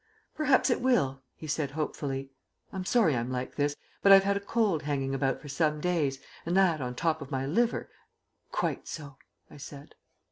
"Perhaps it will," he said hopefully. "I'm sorry I'm like this, but I've had a cold hanging about for some days, and that on the top of my liver " "Quite so," I said.